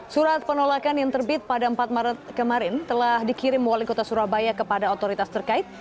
surat penolakan yang terbit pada empat maret kemarin telah dikirim wali kota surabaya kepada otoritas terkait